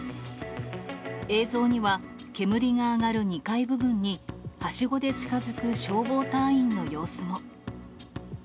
映像には、煙が上がる２階部分に、はしごで近づく消防隊員の様子も。